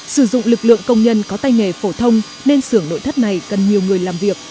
sử dụng lực lượng công nhân có tay nghề phổ thông nên xưởng nội thất này cần nhiều người làm việc